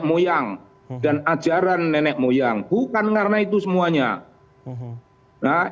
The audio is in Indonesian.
orang korup bukan karena tidak mengerti pesan keagamaan